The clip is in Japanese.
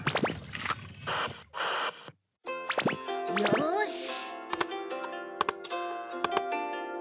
よし！